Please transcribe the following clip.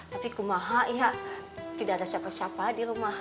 tapi kumaha ya tidak ada siapa siapa di rumah